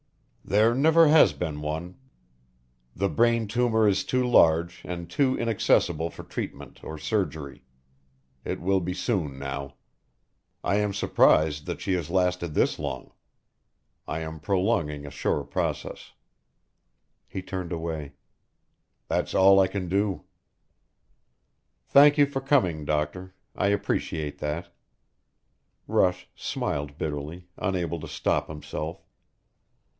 "There never has been one. The brain tumor is too large and too inaccessible for treatment or surgery. It will be soon now. I am surprised that she has lasted this long. I am prolonging a sure process." He turned away. "That's all I can do." "Thank you for coming, doctor I appreciate that." Rush smiled bitterly, unable to stop himself.